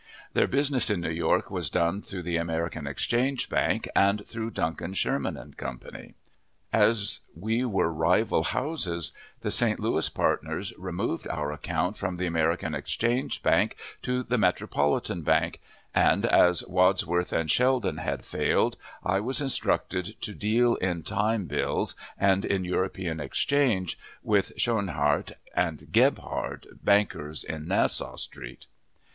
Their business in New York was done through the American Exchange Bank, and through Duncan, Sherman & Co. As we were rival houses, the St. Louis partners removed our account from the American Exchange Bank to the Metropolitan Bank; and, as Wadsworth & Sheldon had failed, I was instructed to deal in time bills, and in European exchange, with Schnchardt & Gebhard, bankers in Nassau Street.